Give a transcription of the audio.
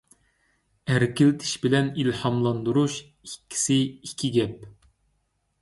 ئەركىلىتىش بىلەن ئىلھاملاندۇرۇش ئىككىسى ئىككى گەپ.